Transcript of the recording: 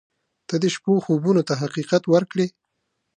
• ته د شپو خوبونو ته حقیقت ورکړې.